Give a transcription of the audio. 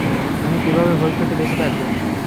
আমি কীভাবে ভবিষ্যতে বেচে থাকবো?